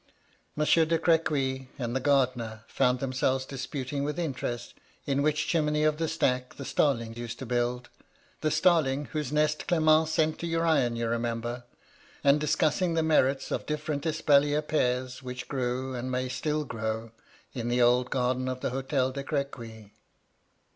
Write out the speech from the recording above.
Mon sieur de Crequy and the gardener found themselves disputing with interest in which chimney of the stack the starling used to build, — the starling whose nest Clement sent to Urian, you remember, — and discussing the merits of different espalier pears which grew, and may grow still, in the old garden of the H6tel de Cre quy.